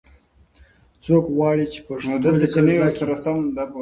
څوک غواړي چې په پښتو لیکل زده کړي؟